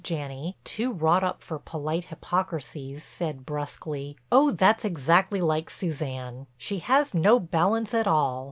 Janney, too wrought up for polite hypocrisies, said brusquely: "Oh, that's exactly like Suzanne. She has no balance at all.